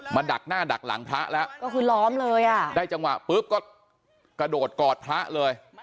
ดักหน้าดักหลังพระแล้วก็คือล้อมเลยอ่ะได้จังหวะปุ๊บก็กระโดดกอดพระเลย